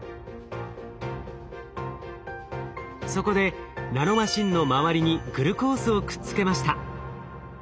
そこでナノマシンの周りにグルコースをくっつけました。